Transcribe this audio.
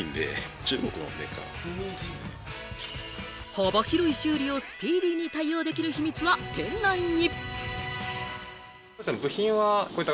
幅広い修理をスピーディーに対応できる秘密は店内に。